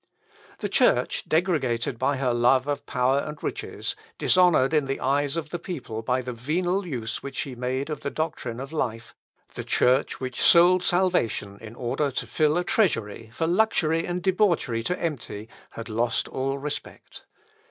The Church, degraded by her love of power and riches, dishonoured in the eyes of the people by the venal use which she made of the doctrine of life; the Church which sold salvation in order to fill a treasury, for luxury and debauchery to empty, had lost all respect.